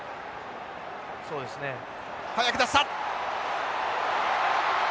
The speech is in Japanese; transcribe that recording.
早く出した！